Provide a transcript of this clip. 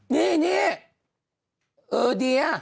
นี่เออดี